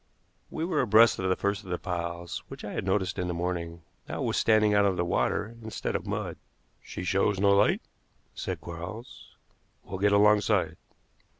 We were abreast of the first of the piles which I had noticed in the morning. Now it was standing out of water instead of mud. "She shows no light," said Quarles. "We'll get alongside."